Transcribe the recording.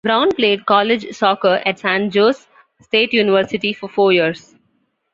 Brown played college soccer at San Jose State University for four years.